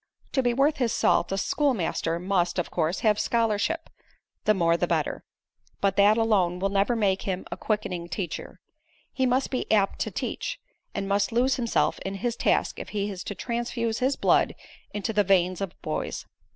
"To be worth his salt, a schoolmaster must, of course, have scholarship the more the better. But that alone will never make him a quickening teacher. He must be 'apt to teach,' and must lose himself in his task if he is to transfuse his blood into the veins of boys.